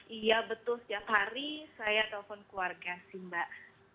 iya betul setiap hari saya telepon keluarga sih mbak